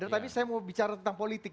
tapi saya mau bicara tentang politik